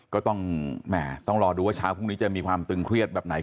ก็ต้องรอดูว่าเช้าพรุ่งนี้จะมีความตึงเครียดแบบไหน